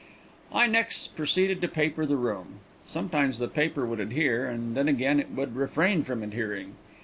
I next proceeded to paper the room. Sometimes the paper would adhere, and then again it would refrain from adhering.